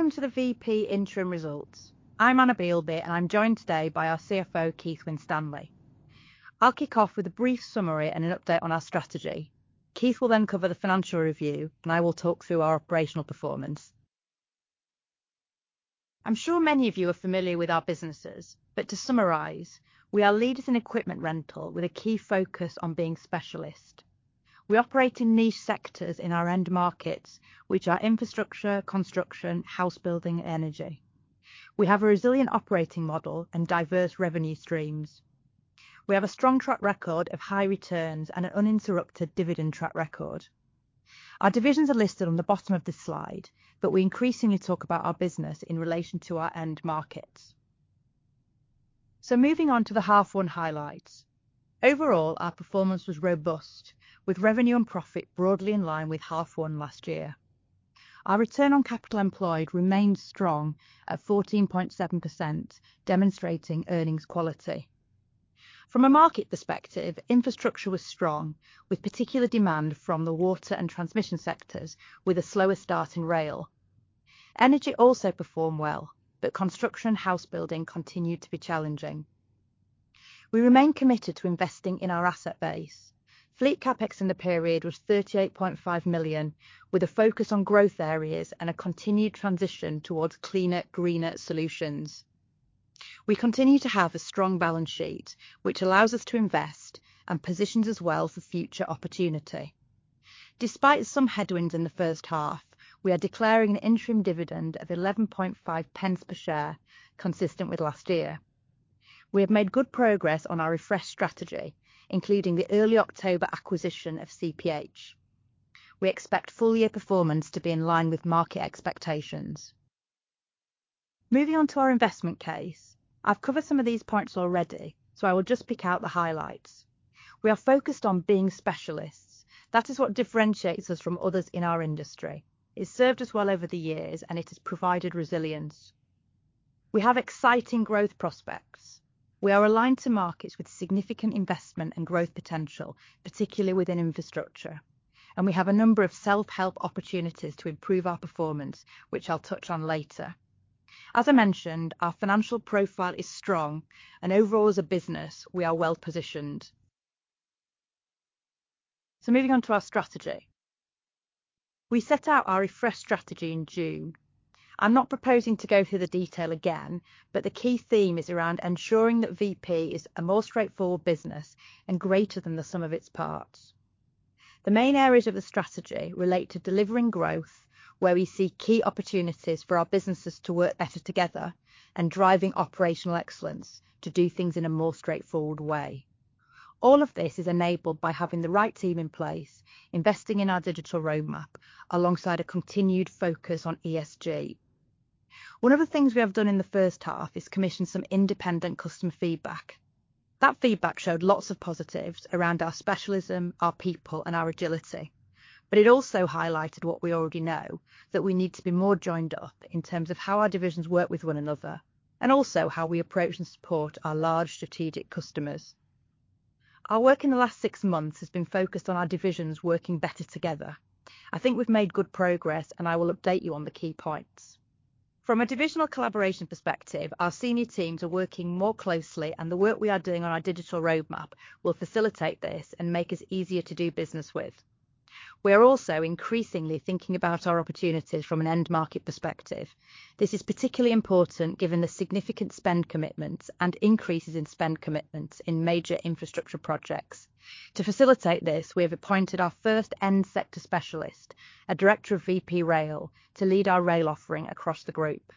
Welcome to the Vp Interim Results. I'm Anna Bielby, and I'm joined today by our CFO, Keith Winstanley. I'll kick off with a brief summary and an update on our strategy. Keith will then cover the financial review, and I will talk through our operational performance. I'm sure many of you are familiar with our businesses, but to summarize, we are leaders in equipment rental with a key focus on being specialists. We operate in niche sectors in our end markets, which are infrastructure, construction, housebuilding, and energy. We have a resilient operating model and diverse revenue streams. We have a strong track record of high returns and an uninterrupted dividend track record. Our divisions are listed on the bottom of this slide, but we increasingly talk about our business in relation to our end markets, so moving on to the half one highlights. Overall, our performance was robust, with revenue and profit broadly in line with half one last year. Our return on capital employed remained strong at 14.7%, demonstrating earnings quality. From a market perspective, infrastructure was strong, with particular demand from the water and transmission sectors, with a slower start in rail. Energy also performed well, but construction and housebuilding continued to be challenging. We remain committed to investing in our asset base. Fleet CapEx in the period was 38.5 million, with a focus on growth areas and a continued transition towards cleaner, greener solutions. We continue to have a strong balance sheet, which allows us to invest and positions us well for future opportunity. Despite some headwinds in the first half, we are declaring an interim dividend of 11.5 pence per share, consistent with last year. We have made good progress on our refresh strategy, including the early October acquisition of CPH. We expect full-year performance to be in line with market expectations. Moving on to our investment case, I've covered some of these points already, so I will just pick out the highlights. We are focused on being specialists. That is what differentiates us from others in our industry. It's served us well over the years, and it has provided resilience. We have exciting growth prospects. We are aligned to markets with significant investment and growth potential, particularly within infrastructure, and we have a number of self-help opportunities to improve our performance, which I'll touch on later. As I mentioned, our financial profile is strong, and overall as a business, we are well positioned, so moving on to our strategy. We set out our refresh strategy in June. I'm not proposing to go through the detail again, but the key theme is around ensuring that Vp is a more straightforward business and greater than the sum of its parts. The main areas of the strategy relate to delivering growth, where we see key opportunities for our businesses to work better together, and driving operational excellence to do things in a more straightforward way. All of this is enabled by having the right team in place, investing in our digital roadmap, alongside a continued focus on ESG. One of the things we have done in the first half is commission some independent customer feedback. That feedback showed lots of positives around our specialism, our people, and our agility. But it also highlighted what we already know, that we need to be more joined up in terms of how our divisions work with one another, and also how we approach and support our large strategic customers. Our work in the last six months has been focused on our divisions working better together. I think we've made good progress, and I will update you on the key points. From a divisional collaboration perspective, our senior teams are working more closely, and the work we are doing on our digital roadmap will facilitate this and make us easier to do business with. We are also increasingly thinking about our opportunities from an end market perspective. This is particularly important given the significant spend commitments and increases in spend commitments in major infrastructure projects. To facilitate this, we have appointed our first end sector specialist, a director of Vp Rail, to lead our rail offering across the group.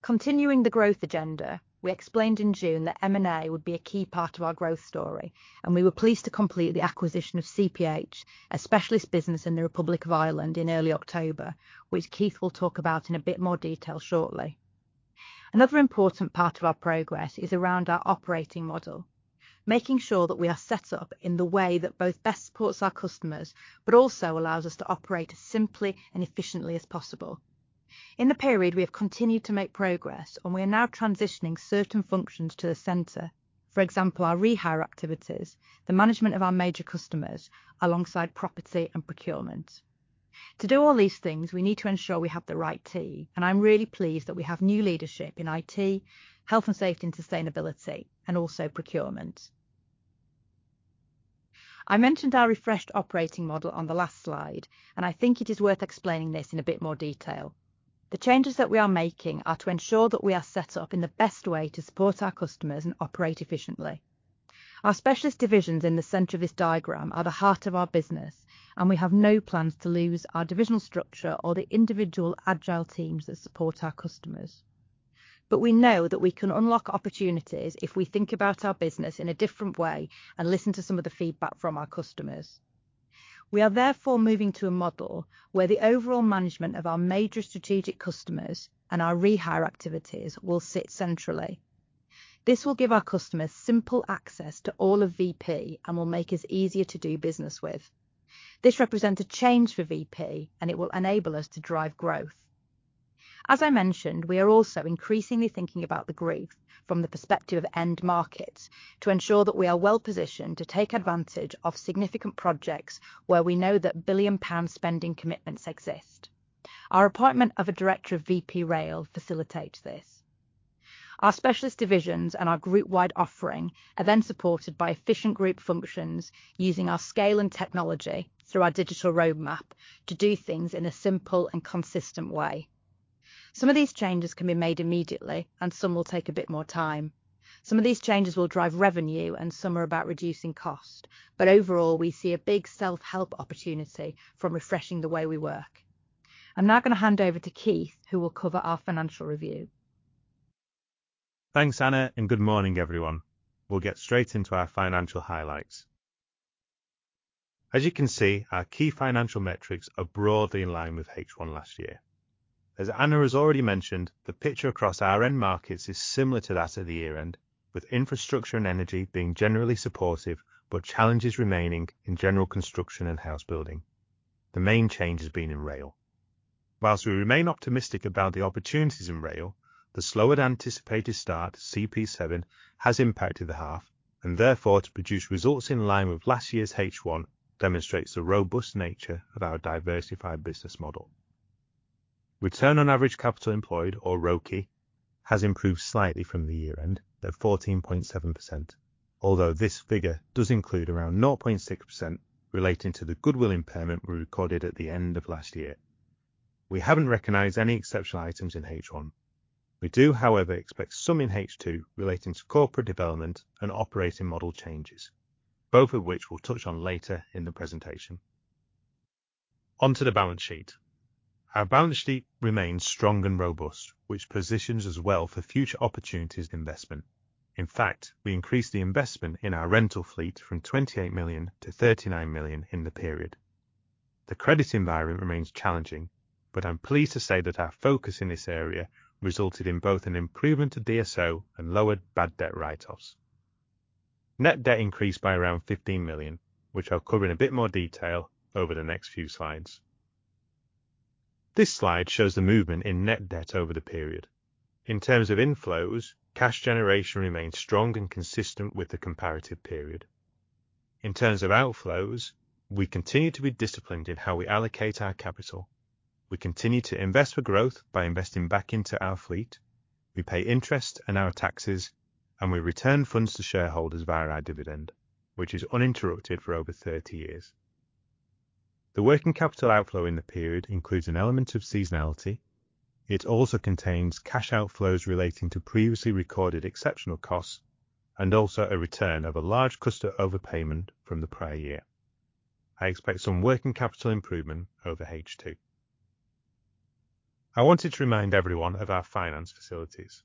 Continuing the growth agenda, we explained in June that M&A would be a key part of our growth story, and we were pleased to complete the acquisition of CPH, a specialist business in the Republic of Ireland, in early October, which Keith will talk about in a bit more detail shortly. Another important part of our progress is around our operating model, making sure that we are set up in the way that both best supports our customers, but also allows us to operate as simply and efficiently as possible. In the period, we have continued to make progress, and we are now transitioning certain functions to the center, for example, our rehire activities, the management of our major customers, alongside property and procurement. To do all these things, we need to ensure we have the right team, and I'm really pleased that we have new leadership in IT, health and safety and sustainability, and also procurement. I mentioned our refreshed operating model on the last slide, and I think it is worth explaining this in a bit more detail. The changes that we are making are to ensure that we are set up in the best way to support our customers and operate efficiently. Our specialist divisions in the center of this diagram are the heart of our business, and we have no plans to lose our divisional structure or the individual agile teams that support our customers. But we know that we can unlock opportunities if we think about our business in a different way and listen to some of the feedback from our customers. We are therefore moving to a model where the overall management of our major strategic customers and our rehire activities will sit centrally. This will give our customers simple access to all of Vp and will make it easier to do business with. This represents a change for Vp, and it will enable us to drive growth. As I mentioned, we are also increasingly thinking about the growth from the perspective of end markets to ensure that we are well positioned to take advantage of significant projects where we know that billion-pound spending commitments exist. Our appointment of a director of Vp Rail facilitates this. Our specialist divisions and our group-wide offering are then supported by efficient group functions using our scale and technology through our digital roadmap to do things in a simple and consistent way. Some of these changes can be made immediately, and some will take a bit more time. Some of these changes will drive revenue, and some are about reducing cost. But overall, we see a big self-help opportunity from refreshing the way we work. I'm now going to hand over to Keith, who will cover our financial review. Thanks, Anna, and good morning, everyone. We'll get straight into our financial highlights. As you can see, our key financial metrics are broadly in line with H1 last year. As Anna has already mentioned, the picture across our end markets is similar to that at the year-end, with infrastructure and Energy being generally supportive, but challenges remaining in general construction and housebuilding. The main change has been in rail. While we remain optimistic about the outlook in rail, the slower-than-anticipated start, CP7, has impacted the half, and therefore, to produce results in line with last year's H1 demonstrates the robust nature of our diversified business model. Return on Average Capital Employed, or ROACE, has improved slightly from the year-end at 14.7%, although this figure does include around 0.6% relating to the goodwill impairment we recorded at the end of last year. We haven't recognized any exceptional items in H1. We do, however, expect some in H2 relating to corporate development and operating model changes, both of which we'll touch on later in the presentation. Onto the balance sheet. Our balance sheet remains strong and robust, which positions us well for future opportunities of investment. In fact, we increased the investment in our rental fleet from 28 million to 39 million in the period. The credit environment remains challenging, but I'm pleased to say that our focus in this area resulted in both an improvement of DSO and lowered bad debt write-offs. Net debt increased by around 15 million, which I'll cover in a bit more detail over the next few slides. This slide shows the movement in net debt over the period. In terms of inflows, cash generation remains strong and consistent with the comparative period. In terms of outflows, we continue to be disciplined in how we allocate our capital. We continue to invest for growth by investing back into our fleet. We pay interest and our taxes, and we return funds to shareholders via our dividend, which is uninterrupted for over 30 years. The working capital outflow in the period includes an element of seasonality. It also contains cash outflows relating to previously recorded exceptional costs and also a return of a large customer overpayment from the prior year. I expect some working capital improvement over H2. I wanted to remind everyone of our finance facilities.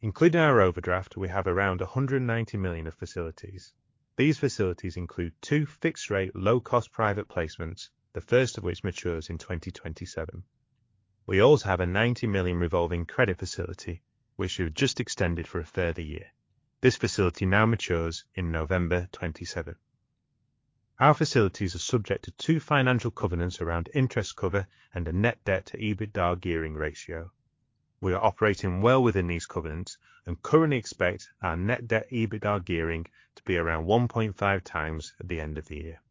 Including our overdraft, we have around 190 million of facilities. These facilities include two fixed-rate low-cost private placements, the first of which matures in 2027. We also have a 90 million revolving credit facility, which we've just extended for a further year. This facility now matures in November 2027. Our facilities are subject to two financial covenants around interest cover and a net debt-to-EBITDA gearing ratio. We are operating well within these covenants and currently expect our net debt-EBITDA gearing to be around 1.5 times at the end of the year.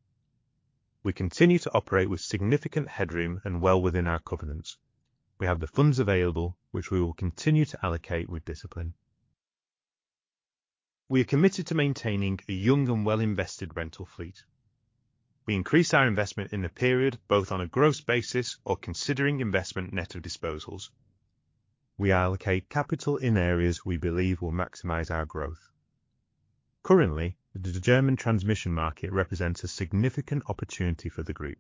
We continue to operate with significant headroom and well within our covenants. We have the funds available, which we will continue to allocate with discipline. We are committed to maintaining a young and well-invested rental fleet. We increase our investment in the period both on a gross basis or considering investment net of disposals. We allocate capital in areas we believe will maximize our growth. Currently, the German transmission market represents a significant opportunity for the group.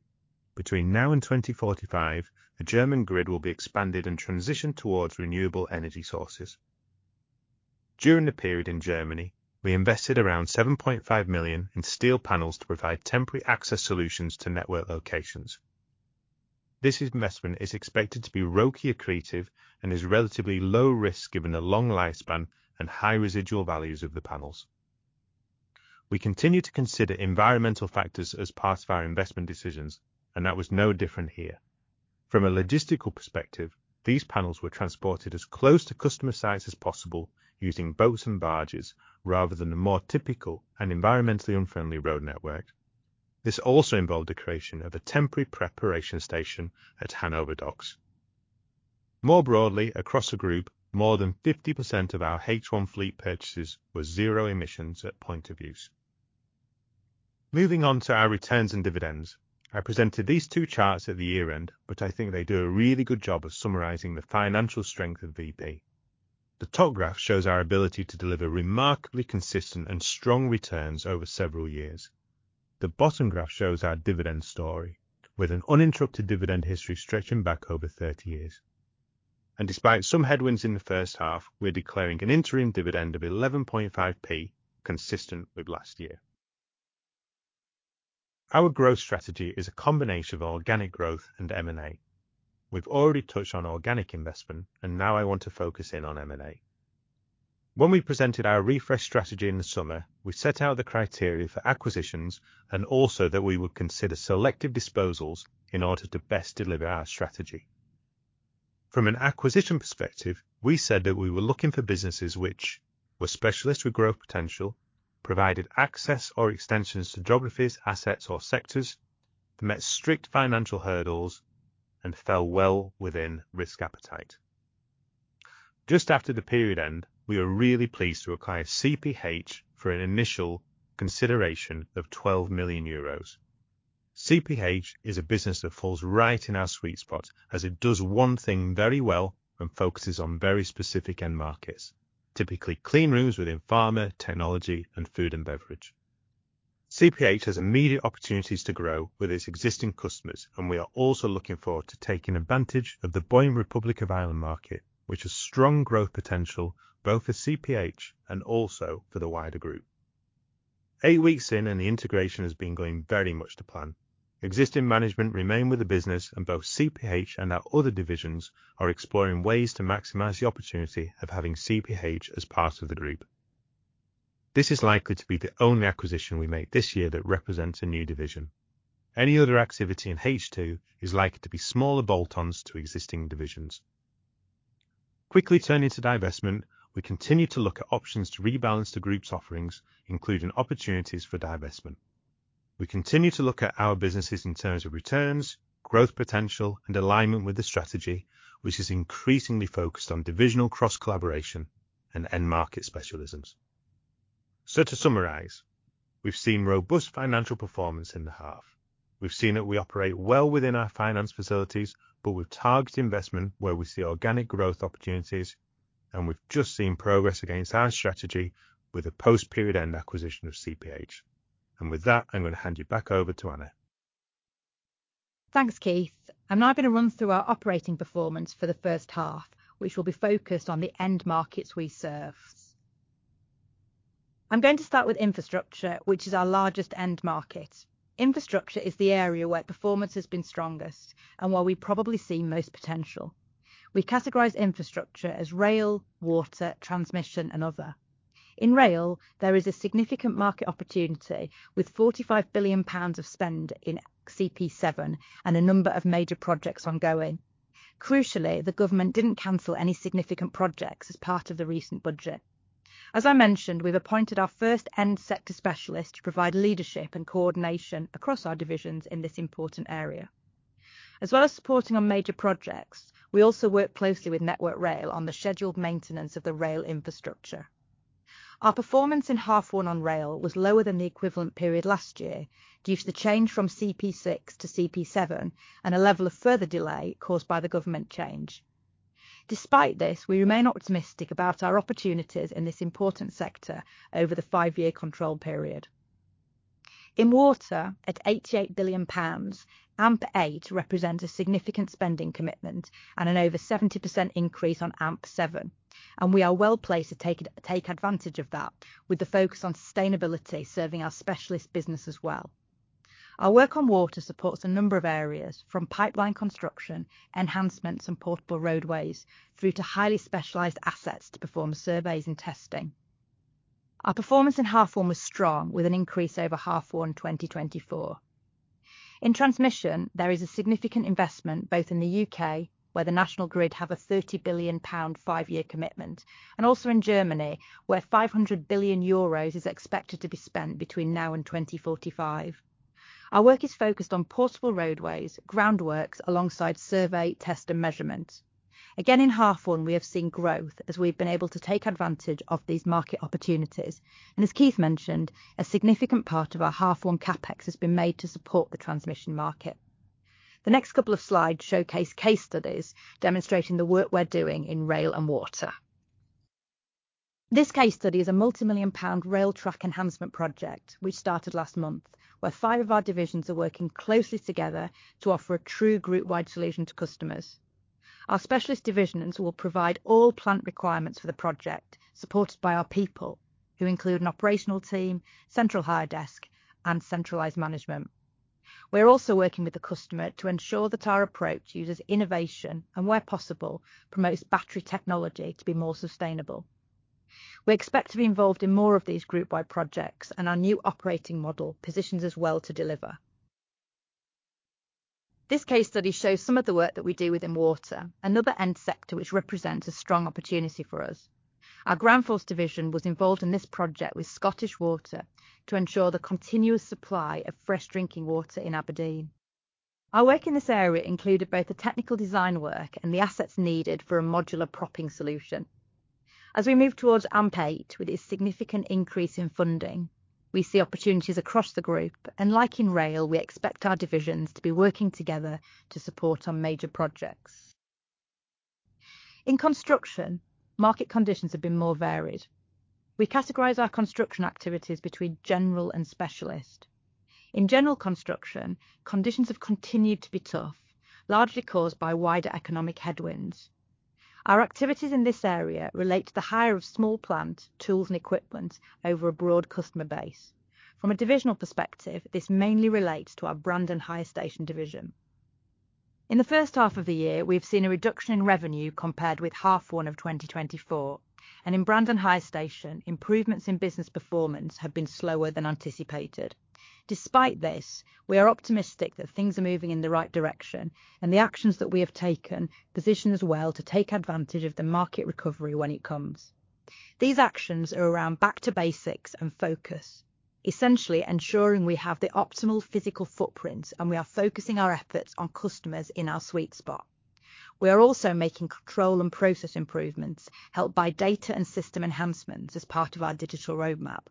Between now and 2045, the German grid will be expanded and transitioned towards renewable energy sources. During the period in Germany, we invested around 7.5 million in steel panels to provide temporary access solutions to network locations. This investment is expected to be ROI accretive and is relatively low risk given the long lifespan and high residual values of the panels. We continue to consider environmental factors as part of our investment decisions, and that was no different here. From a logistical perspective, these panels were transported as close to customer sites as possible using boats and barges rather than the more typical and environmentally unfriendly road network. This also involved the creation of a temporary preparation station at Hanover Docks. More broadly, across the group, more than 50% of our H1 fleet purchases were zero emissions at point of use. Moving on to our returns and dividends, I presented these two charts at the year-end, but I think they do a really good job of summarizing the financial strength of Vp. The top graph shows our ability to deliver remarkably consistent and strong returns over several years. The bottom graph shows our dividend story, with an uninterrupted dividend history stretching back over 30 years. And despite some headwinds in the first half, we're declaring an interim dividend of 11.5p, consistent with last year. Our growth strategy is a combination of organic growth and M&A. We've already touched on organic investment, and now I want to focus in on M&A. When we presented our refresh strategy in the summer, we set out the criteria for acquisitions and also that we would consider selective disposals in order to best deliver our strategy. From an acquisition perspective, we said that we were looking for businesses which were specialists with growth potential, provided access or extensions to geographies, assets, or sectors, met strict financial hurdles, and fell well within risk appetite. Just after the period end, we were really pleased to acquire CPH for an initial consideration of 12 million euros. CPH is a business that falls right in our sweet spot as it does one thing very well and focuses on very specific end markets, typically cleanrooms within pharma, technology, and food and beverage. CPH has immediate opportunities to grow with its existing customers, and we are also looking forward to taking advantage of the booming Republic of Ireland market, which has strong growth potential both for CPH and also for the wider group. Eight weeks in, and the integration has been going very much to plan. Existing management remain with the business, and both CPH and our other divisions are exploring ways to maximize the opportunity of having CPH as part of the group. This is likely to be the only acquisition we make this year that represents a new division. Any other activity in H2 is likely to be smaller bolt-ons to existing divisions. Quickly turning to divestment, we continue to look at options to rebalance the group's offerings, including opportunities for divestment. We continue to look at our businesses in terms of returns, growth potential, and alignment with the strategy, which is increasingly focused on divisional cross-collaboration and end market specialisms. So to summarize, we've seen robust financial performance in the half. We've seen that we operate well within our finance facilities, but we've targeted investment where we see organic growth opportunities, and we've just seen progress against our strategy with a post-period end acquisition of CPH. And with that, I'm going to hand you back over to Anna. Thanks, Keith. I'm now going to run through our operating performance for the first half, which will be focused on the end markets we serve. I'm going to start with infrastructure, which is our largest end market. Infrastructure is the area where performance has been strongest and where we probably see most potential. We categorize infrastructure as rail, water, transmission, and in rail, there is a significant market opportunity with 45 billion pounds of spend in CP7 and a number of major projects ongoing. Crucially, the government didn't cancel any significant projects as part of the recent budget. As I mentioned, we've appointed our first end sector specialist to provide leadership and coordination across our divisions in this important area. As well as supporting on major projects, we also work closely with Network Rail on the scheduled maintenance of the rail infrastructure. Our performance in half one on rail was lower than the equivalent period last year due to the change from CP6 to CP7 and a level of further delay caused by the government change. Despite this, we remain optimistic about our opportunities in this important sector over the five-year control period. In water, at 88 billion pounds, AMP8 represents a significant spending commitment and an over 70% increase on AMP7, and we are well placed to take advantage of that with the focus on sustainability serving our specialist business as well. Our work on water supports a number of areas from pipeline construction, enhancements, and portable roadways through to highly specialized assets to perform surveys and testing. Our performance in half one was strong with an increase over half one 2024. In transmission, there is a significant investment both in the U.K., where the National Grid has a £30 billion five-year commitment, and also in Germany, where €500 billion is expected to be spent between now and 2045. Our work is focused on portable roadways, groundworks alongside survey, test, and measurement. Again, in half one, we have seen growth as we've been able to take advantage of these market opportunities, and as Keith mentioned, a significant part of our half one CapEx has been made to support the transmission market. The next couple of slides showcase case studies demonstrating the work we're In rail and water. This case study is a multi-million pound rail track enhancement project which started last month, where five of our divisions are working closely together to offer a true group-wide solution to customers. Our specialist divisions will provide all plant requirements for the project, supported by our people, who include an operational team, central hire desk, and centralized management. We're also working with the customer to ensure that our approach uses innovation and, where possible, promotes battery technology to be more sustainable. We expect to be involved in more of these group-wide projects, and our new operating model positions us well to deliver. This case study shows some of the work that we do within water, another end sector which represents a strong opportunity for us. Our Groundforce division was involved in this project with Scottish Water to ensure the continuous supply of fresh drinking water in Aberdeen. Our work in this area included both the technical design work and the assets needed for a modular propping solution. As we move towards AMP8 with its significant increase in funding, we see opportunities across the group, and in rail, we expect our divisions to be working together to support our major projects. In construction, market conditions have been more varied. We categorize our construction activities between general and specialist. In general construction, conditions have continued to be tough, largely caused by wider economic headwinds. Our activities in this area relate to the hire of small plant tools and equipment over a broad customer base. From a divisional perspective, this mainly relates to our Brandon Hire Station division. In the first half of the year, we have seen a reduction in revenue compared with half one of 2024, and in Brandon Hire Station, improvements in business performance have been slower than anticipated. Despite this, we are optimistic that things are moving in the right direction and the actions that we have taken to position us well to take advantage of the market recovery when it comes. These actions are around back to basics and focus, essentially ensuring we have the optimal physical footprints and we are focusing our efforts on customers in our sweet spot. We are also making control and process improvements helped by data and system enhancements as part of our digital roadmap.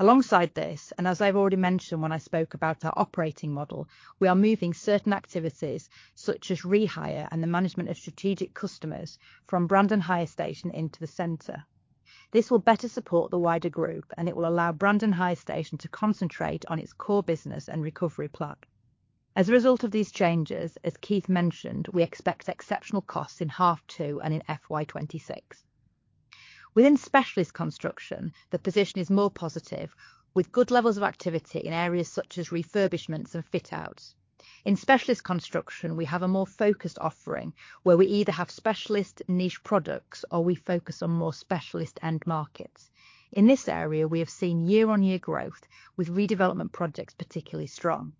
Alongside this, and as I've already mentioned when I spoke about our operating model, we are moving certain activities such as rehire and the management of strategic customers from Brandon Hire Station into the center. This will better support the wider group, and it will allow Brandon Hire Station to concentrate on its core business and recovery plan. As a result of these changes, as Keith mentioned, we expect exceptional costs in half two and in FY26. Within specialist construction, the position is more positive with good levels of activity in areas such as refurbishments and fit-outs. In specialist construction, we have a more focused offering where we either have specialist niche products or we focus on more specialist end markets. In this area, we have seen year-on-year growth with redevelopment projects particularly strong.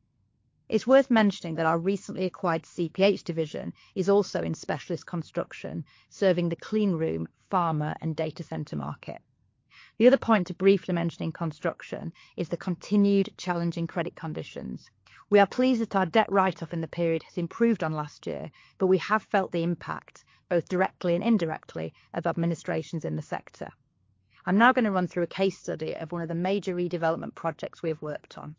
It's worth mentioning that our recently acquired CPH division is also in specialist construction, serving the clean room, pharma, and data center market. The other point to briefly mention in construction is the continued challenging credit conditions. We are pleased that our debt write-off in the period has improved on last year, but we have felt the impact both directly and indirectly of administrations in the sector. I'm now going to run through a case study of one of the major redevelopment projects we have worked on.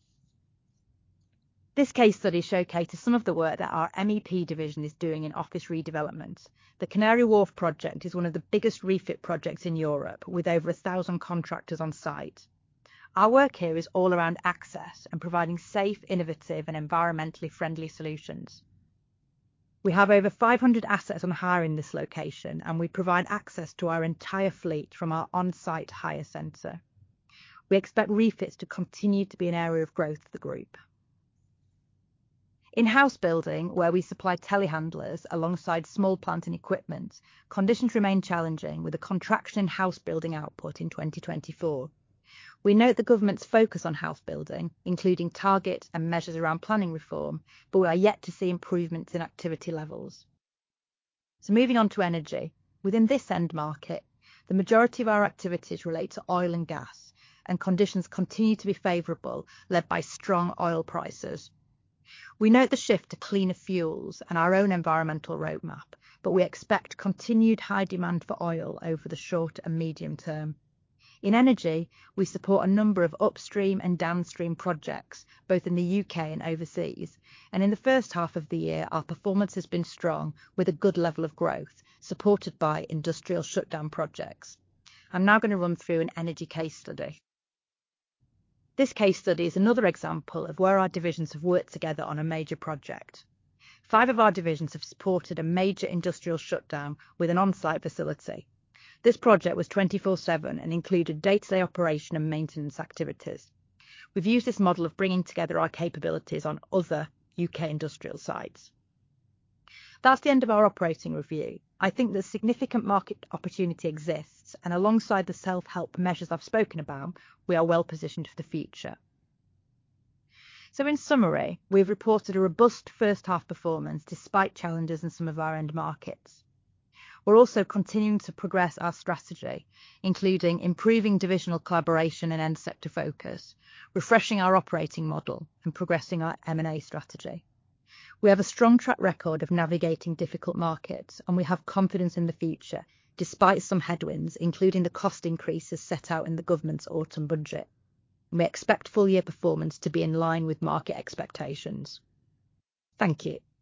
This case study showcases some of the work that our MEP division is doing in office redevelopment. The Canary Wharf project is one of the biggest refit projects in Europe, with over 1,000 contractors on site. Our work here is all around access and providing safe, innovative, and environmentally friendly solutions. We have over 500 assets on hire in this location, and we provide access to our entire fleet from our on-site hire center. We expect refits to continue to be an area of growth for the group. In housebuilding, where we supply telehandlers alongside small plant and equipment, conditions remain challenging with a contraction in housebuilding output in 2024. We note the government's focus on housebuilding, including targets and measures around planning reform, but we are yet to see improvements in activity levels. So moving on to Energy, within this end market, the majority of our activities relate to oil and gas, and conditions continue to be favorable, led by strong oil prices. We note the shift to cleaner fuels and our own environmental roadmap, but we expect continued high demand for oil over the short and medium term. In Energy, we support a number of upstream and downstream projects, both in the U.K. and overseas, and in the first half of the year, our performance has been strong with a good level of growth, supported by industrial shutdown projects. I'm now going to run through an Energy case study. This case study is another example of where our divisions have worked together on a major project. Five of our divisions have supported a major industrial shutdown with an on-site facility. This project was 24/7 and included day-to-day operation and maintenance activities. We've used this model of bringing together our capabilities on other U.K. industrial sites. That's the end of our operating review. I think that significant market opportunity exists, and alongside the self-help measures I've spoken about, we are well positioned for the future. So in summary, we've reported a robust first half performance despite challenges in some of our end markets. We're also continuing to progress our strategy, including improving divisional collaboration and end sector focus, refreshing our operating model, and progressing our M&A strategy. We have a strong track record of navigating difficult markets, and we have confidence in the future despite some headwinds, including the cost increases set out in the government's Autumn Budget. We expect full year performance to be in line with market expectations. Thank you.